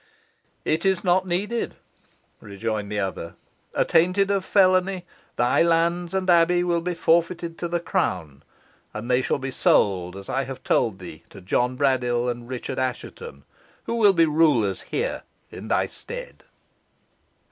"It is not needed," rejoined the other. "Attainted of felony, thy lands and abbey will be forfeited to the crown, and they shall be sold, as I have told thee, to John Braddyll and Richard Assheton, who will be rulers here in thy stead."